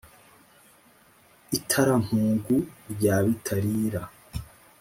i tarampugu rya bitarira